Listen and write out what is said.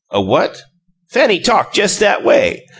"A what?" "Fanny talk jes' that way.